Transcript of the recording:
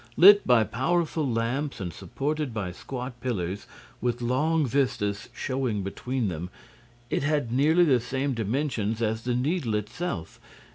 Lit by powerful lamps and supported by squat pillars, with long vistas showing between them, it had nearly the same dimensions as the Needle itself.